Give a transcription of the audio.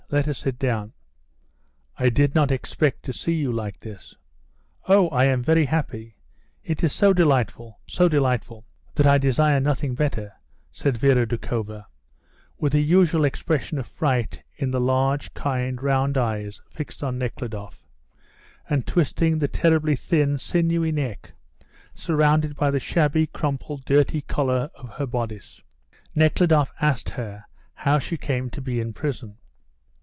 Let us sit down." "I did not expect to see you like this." "Oh, I am very happy. It is so delightful, so delightful, that I desire nothing better," said Vera Doukhova, with the usual expression of fright in the large, kind, round eyes fixed on Nekhludoff, and twisting the terribly thin, sinewy neck, surrounded by the shabby, crumpled, dirty collar of her bodice. Nekhludoff asked her how she came to be in prison.